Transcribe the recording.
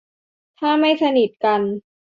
ถ้าไม่สนิทกัน